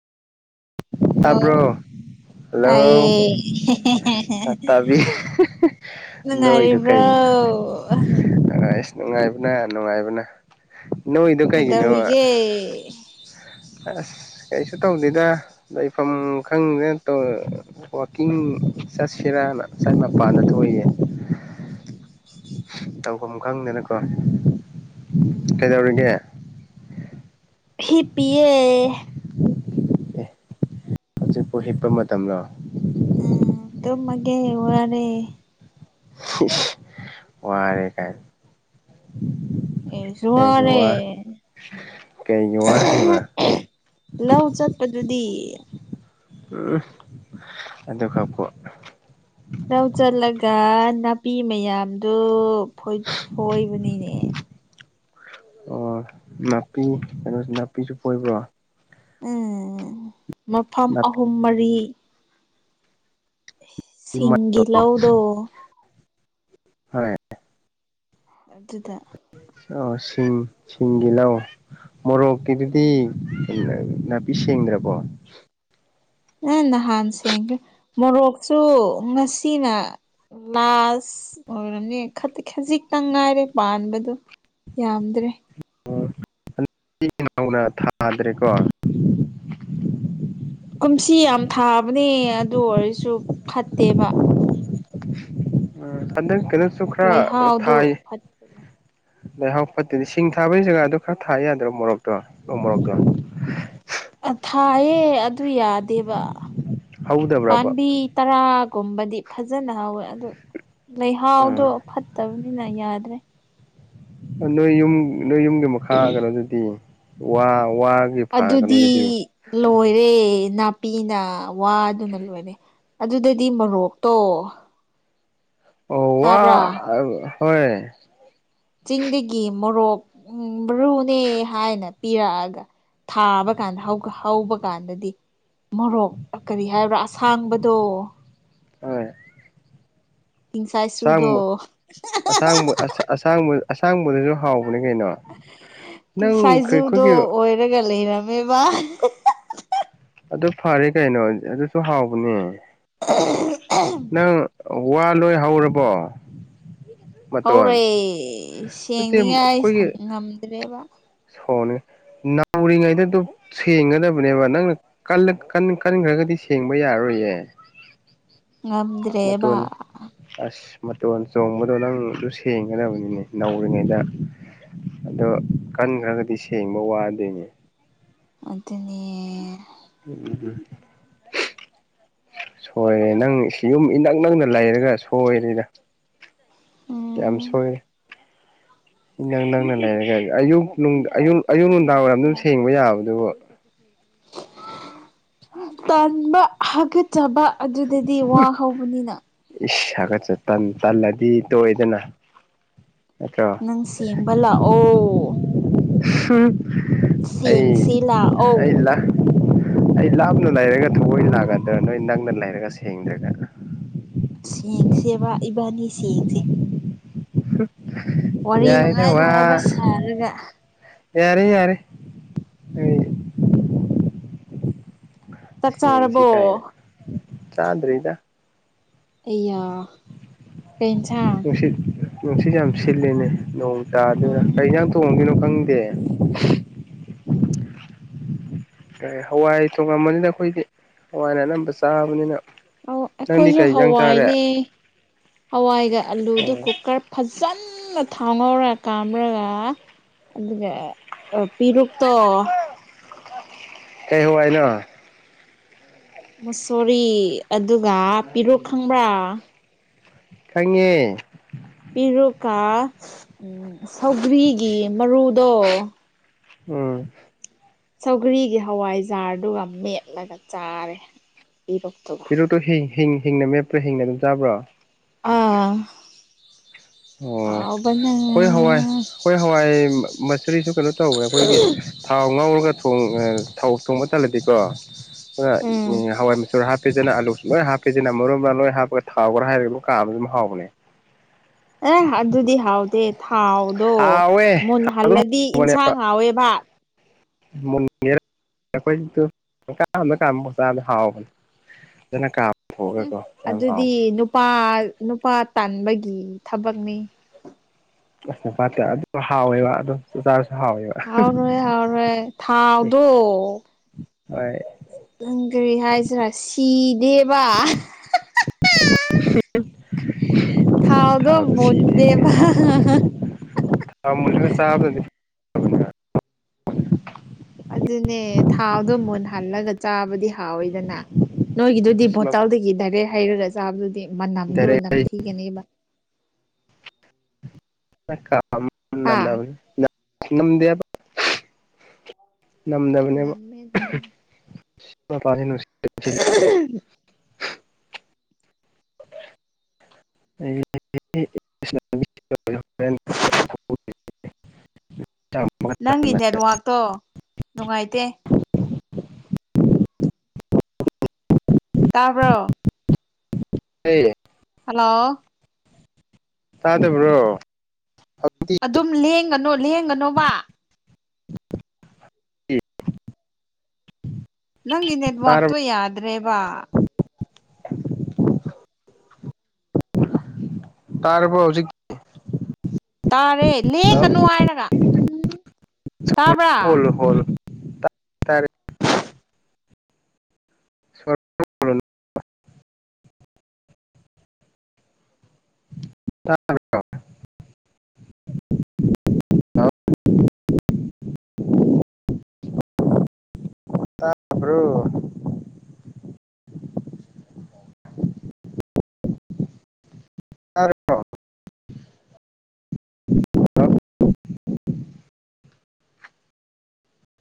ꯇꯥꯕ꯭ꯔꯣ hello hello ꯇꯥꯏꯌꯦ ꯇ ꯇꯥꯕꯤ ꯅꯣꯏꯗ ꯅꯨꯡꯉꯥꯏꯔꯤꯕ꯭ꯔꯣ ꯀꯩꯅ ꯑ ꯅꯨꯡꯉꯥꯏꯕꯅ ꯅꯨꯡꯉꯥꯏꯕꯅ ꯅꯣꯏꯗꯣ ꯀꯩꯒꯤꯅꯣ ꯀꯩꯗꯧꯔꯤꯒꯦ ꯑꯁ ꯀꯩꯁꯨ ꯇꯧꯗꯦꯗ ꯂꯩꯐꯝ ꯈꯪꯗꯅ ꯋꯥꯀꯤꯡ ꯆꯠꯁꯤꯔꯥꯅ ꯆ ꯃꯄꯥꯟꯗ ꯊꯣꯛꯏꯌꯦ ꯎꯝ ꯇꯧꯐꯝ ꯈꯪꯗꯦꯅꯀꯣ ꯀꯩꯗꯧꯔꯤꯒꯦ ꯍꯤꯞꯄꯤꯌꯦ ꯑꯦ ꯍꯧꯖꯤꯛꯄꯨ ꯍꯤꯞꯄ ꯃꯇꯝꯂꯣ ꯀꯩ ꯋꯥꯔꯤ ꯋꯥꯔꯦ ꯀꯥꯏ ꯑꯦ ꯁꯃꯔꯦ ꯀꯩꯒꯤ ꯋꯥꯔꯤꯕ ꯂꯧ ꯆꯠꯄꯗꯨꯗꯤ ꯑꯗ ꯈꯥꯄ ꯂꯧ ꯆꯠꯂꯒ ꯅꯥꯄꯤ ꯃꯌꯥꯝꯗꯨ ꯐꯣꯏꯕꯅꯤꯅꯦ ꯑꯣ ꯅꯥꯄꯤ ꯀꯩꯅꯣꯁꯤ ꯅꯥꯄꯤꯁꯨ ꯑꯣꯏꯣꯏꯕ꯭ꯔꯣ ꯎꯝ ꯃꯐꯝ ꯅꯥꯄꯤ ꯑꯍꯨꯝ ꯃꯔꯤ ꯁꯤꯡꯒꯤꯍꯧꯗꯣ ꯍꯣꯏ ꯑꯗꯨ ꯑꯗꯨꯗ ꯑ ꯁꯤꯡ ꯁꯤꯡꯒꯤ ꯂꯑꯣ ꯃꯣꯔꯣꯛꯀꯤꯗꯨꯗꯤ ꯎꯝ ꯅꯥꯄꯤ ꯁꯦꯡꯗ꯭ꯔꯕꯣ ꯅꯪ ꯅꯍꯥꯟ ꯁꯦꯡꯒꯦ ꯃꯣꯔꯣꯛꯁꯨ ꯉꯁꯤꯅ ꯂꯥꯁ ꯑꯣꯏꯔꯝꯅꯦ ꯈꯖꯤꯛꯇꯪ ꯉꯥꯏꯔꯦ ꯄꯥꯟꯕꯗꯨ ꯌꯥꯝꯗ꯭ꯔꯦ ꯎꯗ ꯏꯅꯥꯎꯅ ꯊꯥꯗ꯭ꯔꯦꯀꯣ ꯀꯨꯝꯁꯤ ꯌꯥꯝ ꯊꯥꯕꯅꯦ ꯑꯗꯨ ꯑꯣꯏꯔꯁꯨ ꯐꯠꯇꯦꯕ ꯎꯝ ꯍꯟꯗꯛ ꯀꯩꯅꯣꯁꯨ ꯈꯔ ꯂꯩꯍꯥꯎꯗꯨ ꯊꯥꯏ ꯐꯠꯇꯕ ꯂꯩꯍꯥꯎ ꯐꯠꯇꯗꯤ ꯁꯤꯡ ꯊꯥꯕꯒꯤ ꯖꯒꯥꯗꯣ ꯈꯔ ꯊꯥ ꯌꯥꯗ꯭ꯔꯣ ꯃꯣꯔꯣꯛꯇꯣ ꯅ ꯃꯣꯔꯣꯛꯇꯣ ꯊꯥꯏꯌꯦ ꯑꯗꯨ ꯌꯥꯗꯦꯕ ꯍꯧꯗꯕ꯭ꯔꯕ ꯄꯥꯝꯕꯤ ꯇꯔꯥ ꯨꯝꯕꯗꯤ ꯐꯖꯅ ꯍꯥꯎꯋꯦ ꯑꯗꯨ ꯂꯩꯍꯥꯎꯗꯣ ꯐꯠꯇꯕꯅꯤꯅ ꯌꯥꯗ꯭ꯔꯦ ꯅꯣꯏ ꯌꯨꯝ ꯅꯣꯏ ꯌꯨꯝꯒꯤ ꯃꯈꯥ ꯀꯩꯅꯣꯗꯨꯗꯤ ꯋꯥ ꯋꯥꯒꯤ ꯑꯗꯨꯗꯤ ꯐꯥꯒꯩꯅꯣꯗꯨꯗꯤ ꯂꯣꯏꯔꯦ ꯅꯥꯄꯤꯅ ꯋꯥꯗꯨꯅ ꯂꯣꯏꯔꯦ ꯑꯗꯨꯗꯗꯤ ꯃꯔꯣꯔꯣꯛꯇꯣ ꯑꯣ ꯋꯥ ꯍꯣꯏ ꯆꯤꯡꯗꯒꯤ ꯃꯣꯔꯣꯛ ꯎ ꯃꯔꯨꯅꯦ ꯍꯥꯏꯅ ꯄꯤꯔꯛꯑꯒ ꯊꯥꯕ ꯀꯥꯟꯗ ꯍꯧꯕ ꯀꯥꯟꯗꯗꯤ ꯃꯣꯔꯣꯛ ꯀꯔꯤ ꯍꯥꯏꯕ꯭ꯔꯥ ꯑꯁꯥꯡꯕꯗꯣ ꯍꯣꯏ ꯇꯤꯡꯁꯥꯏꯆꯨꯗꯣ ꯑꯁꯥꯡꯕ ꯑꯁꯥꯡꯕ ꯑꯁꯥꯡꯕ ꯑꯁꯥꯡꯕꯗꯁꯨ ꯍꯥꯎꯋꯤ ꯁꯥꯏꯖꯨꯗꯣ ꯑꯩꯈꯣꯏꯒꯤ ꯑꯣꯏꯔꯒ ꯂꯩꯔꯝꯃꯦꯕ ꯑꯗꯨ ꯐꯔꯦ ꯀꯩꯅꯣ ꯑꯗꯨꯁꯨ ꯍꯥꯎꯕꯅꯦ ꯅꯪ ꯋꯥ ꯂꯣꯏ ꯍꯧꯔꯕꯣ ꯍꯧꯔꯦ ꯃꯇꯣꯟ ꯅꯠꯇꯦ ꯁꯦꯡꯅꯤꯡꯉꯥꯏ ꯉꯝꯗ꯭ꯔꯦꯕ ꯊꯅꯤ ꯅꯥꯧꯔꯤꯉꯩꯗꯗ ꯁꯦꯡꯒꯗꯕꯅꯦꯕ ꯅꯪꯅ ꯀꯟꯈ꯭ꯔꯒꯗꯤ ꯁꯦꯡꯕ ꯌꯥꯔꯣꯏꯌꯦ ꯉꯗ꯭ꯔꯦꯕ ꯃꯇꯣꯟ ꯑꯁ ꯃꯇꯣꯟ ꯆꯣꯡꯕꯗꯣ ꯅꯪꯁꯨ ꯁꯦꯡꯒꯗꯕꯅꯤꯅꯦ ꯅꯧꯔꯤꯉꯩꯗ ꯑꯗꯣ ꯀꯟꯈ꯭ꯔꯒꯗꯤ ꯁꯦꯡꯕ ꯋꯥꯗꯣꯏꯅꯦ ꯑ [inaudible] ꯁꯣꯏꯔꯦ ꯅꯪ ꯌꯨꯝ ꯏꯅꯛ ꯅꯛꯅ ꯂꯩꯔꯒ ꯁꯣꯏꯔꯗ ꯌꯥꯝꯁꯨꯣꯏ ꯎ ꯅꯪ ꯅꯪꯅ ꯂꯩꯔꯒ ꯑꯌꯨꯛ ꯑꯌꯨꯛ ꯅꯨꯡꯗꯥꯡ ꯋꯥꯏꯔꯝ ꯑꯗꯨꯝ ꯁꯦꯡꯕ ꯌꯥꯕꯗꯨꯕꯨ ꯎ ꯇꯟꯕ ꯍꯥꯒꯠꯆꯕ ꯑꯗꯨꯗꯗꯤ ꯋꯥ ꯍꯧꯕꯅꯤꯅ ꯁꯥꯒꯠꯆ ꯇꯜꯂꯗꯤ ꯇꯣꯏꯗꯅ ꯅꯪ ꯁꯤ ꯑꯦꯝꯕꯂ ꯑꯣ ꯑꯩ ꯁꯦꯡꯁꯦ ꯂꯥꯛꯑꯣ ꯑꯩ ꯂ ꯑꯩ ꯂꯥꯞꯅ ꯂꯩꯔꯒ ꯊꯑꯣꯏ ꯅꯥꯀꯗ꯭ꯔꯥ ꯅꯣꯏ ꯅꯪꯅ ꯂꯩꯔꯒ ꯁꯦꯡꯗ꯭ꯔꯒ ꯁꯦꯡꯁꯦꯕ ꯏꯕꯥꯅꯤ ꯁꯦꯡꯁꯦ ꯋꯥꯔꯤ ꯌꯥꯔꯦꯗ ꯅꯨꯡꯉꯥꯏ ꯅꯨꯡꯉꯥꯏꯕ ꯁꯥꯔꯒ ꯌꯥꯔ ꯌꯥꯔꯦ ꯆꯥꯛ ꯁꯦꯡꯁꯤ ꯆꯥꯔꯕꯣ ꯀꯥꯏꯅ ꯆꯥꯗ꯭ꯔꯤꯗ ꯑꯌꯥ ꯀꯁꯥꯡ ꯅꯨꯡꯁꯤꯠ ꯅꯨꯡꯁꯤꯠ ꯌꯥꯝ ꯁꯤꯂꯦꯅꯦ ꯅꯣꯡ ꯆꯥꯗꯅ ꯎꯝ ꯀꯩꯁ ꯊꯣꯡꯉꯗꯣꯏꯅꯣ ꯈꯪꯗꯦ ꯑꯣ ꯀ ꯍꯋꯥꯏ ꯊꯣꯡꯉꯝꯕꯅꯤꯅ ꯑꯩꯈꯣꯏꯗꯤ ꯍꯋꯥꯏꯅ ꯑꯅꯝꯕ ꯆꯥꯕꯅꯤꯅ ꯑ ꯅꯪꯗꯤ ꯑꯩꯈꯣꯏꯁꯨ ꯀꯩ ꯏꯟꯖꯥꯡ ꯆꯥꯔꯦ ꯍꯋꯥꯏꯅꯦ ꯍꯋꯥꯏꯒ ꯑꯂꯨꯗ ꯎꯝ ꯀꯨꯀꯔ ꯐ ꯆꯅ ꯊꯥꯎꯍꯧꯔ ꯀꯥꯝꯔꯒ ꯑꯗꯨꯒ ꯄꯦꯔꯨꯛ ꯠꯇꯣ ꯑꯦ ꯍꯏꯅ ꯃꯁꯣꯔꯤ ꯑꯗꯨꯒ ꯄꯤꯔꯣ ꯈꯪꯕ꯭ꯔꯥ ꯈꯪꯉꯦ ꯄꯤꯦꯔꯨꯀꯥ ꯎ ꯁꯧꯒ꯭ꯔꯤꯒꯤ ꯃꯔꯨꯗꯣ ꯎꯝ ꯁꯧꯒ꯭ꯔꯤꯒꯤ ꯍꯋꯥꯏꯖꯥꯔꯗꯨꯒ ꯃꯦꯠꯂꯒ ꯆꯥꯔꯦ ꯏꯔꯣꯛꯇꯕ ꯄꯤꯔꯨꯛꯇꯣ ꯍꯤꯡ ꯍꯤꯡ ꯍꯤꯡꯅ ꯃꯦꯞꯄ꯭ꯔꯥ ꯍꯤꯡꯅ ꯑꯗꯨꯝ ꯆꯥꯕ꯭ꯔꯣ ꯑꯥ ꯑꯣ ꯑ ꯑꯩꯈꯣꯏ ꯍꯋꯥꯏ ꯑꯩꯈꯣꯏ ꯍꯋꯥꯏ ꯃꯆꯨꯔꯤꯁꯨ ꯀꯩꯅꯣ ꯇꯧꯕ꯭ꯔꯥ ꯑꯩꯈꯣꯏꯒꯤ ꯊꯥꯎ ꯉꯥꯎꯔꯒ ꯊ ꯊꯥꯎ ꯊꯣꯡꯕ ꯇꯜꯂꯗꯤꯀꯣ ꯎꯝ ꯍꯋꯥꯏ ꯃꯆꯨꯔ ꯍꯥꯞꯄꯦ ꯑꯗꯨꯅ ꯑꯂꯨꯁꯨ ꯂꯣꯏ ꯍꯥꯞꯄꯦꯁꯤꯅ ꯃꯔꯨꯝ ꯃꯔꯥꯡ ꯂꯣꯏ ꯍꯥꯞꯄꯒ ꯊꯥꯎꯈ꯭ꯔ ꯍꯥꯏꯔꯒ ꯂ ꯀꯥꯕꯁꯨ ꯑꯗꯨꯝ ꯍꯥꯎꯕꯅꯦ ꯑꯦ ꯑꯗꯨꯗꯤ ꯍꯥꯎꯗꯦ ꯊꯥꯎꯗꯣ ꯍꯥꯎꯋꯦ ꯃꯨꯟ ꯑꯗꯨꯝ ꯍꯜꯂꯗꯤ ꯏꯟꯁꯥꯡ ꯉꯥꯎꯋꯦꯕ ꯃꯨꯉ ꯑꯩꯈꯣꯏꯥ ꯀꯥ ꯃꯗ ꯍꯥꯎꯕꯅꯦ ꯑꯗꯨꯅ ꯀ ꯎꯝ ꯑꯗꯨꯗꯤ ꯅꯨꯄꯥ ꯅꯨꯄꯥ ꯇꯥꯟꯕꯒꯤ ꯊꯕꯛꯅꯤ ꯑꯁ ꯄꯠꯇ ꯑꯗꯨ ꯍꯥꯎꯋꯦꯕ ꯑꯗꯨꯣ ꯆ ꯍꯥꯎꯅꯣꯏ ꯍꯧꯅꯣꯏ ꯑꯦ ꯊꯥꯎꯗ ꯍꯣꯏ ꯅꯪ ꯀꯔꯤ ꯍꯥꯏꯁꯤꯔꯥ ꯁꯤꯗꯦꯕ ꯍ ꯊꯥꯎꯗꯣ ꯊꯥꯗꯣ ꯁꯤꯅꯦꯦꯅꯦ ꯃꯨꯟꯗꯦꯕ ꯊꯥ ꯃꯨꯒ ꯆꯥꯕꯗꯗꯤ ꯍ ꯑꯗꯨꯅꯦ ꯊꯥꯎꯗꯣ ꯃꯨꯟꯍꯜꯂꯒ ꯆꯥꯕꯗ ꯍꯥꯎꯋꯏꯗꯅ ꯅꯣꯏꯒꯤꯗꯨꯗꯤ ꯐꯕꯅꯦ ꯚꯣꯇꯜꯗꯒꯤ ꯗꯥꯏꯔꯦꯛ ꯍꯩꯔꯒ ꯆꯥꯕꯗꯨꯗꯤ ꯃꯥ ꯅꯝꯗꯨꯣ ꯗꯥꯏꯔꯦꯛ ꯅꯪ ꯊꯤꯒꯦꯅꯦꯕ ꯀꯗꯕꯕ ꯍꯥ ꯅꯝꯗꯕꯅꯦ ꯅꯝꯃꯦ ꯅꯝꯃꯦ [unintelligible] [inaudible] [unintelligible] [unintelligible] ꯅꯪꯒꯤ ꯅꯦꯠꯋꯥꯛꯇꯣ ꯅꯨꯡꯉꯥꯏꯇꯦ ꯇꯥꯕ꯭ꯔꯣ ꯍ ꯍꯜꯂꯣ ꯇ ꯑꯗꯨꯕ꯭ꯔꯣ ꯑꯗꯨꯝ ꯂꯦꯡꯒꯅꯣ ꯂꯦꯡꯒꯅꯣ ꯋꯥ ꯑꯦ ꯅꯪ ꯏꯅꯦꯦꯗ ꯃꯥꯊ ꯌꯥꯗ꯭ꯔꯦꯕ [unintelligible] ꯇꯔꯄ ꯍꯧ ꯎꯆꯛ ꯇꯥꯔꯦ ꯂꯦꯡꯒꯅꯨ ꯍꯥꯏꯔꯒ ꯎꯝ ꯇꯥꯕ꯭ꯔꯥ ꯇꯔ ꯇꯥꯔꯦ ꯁ ꯇ ꯑ ꯇꯔꯣ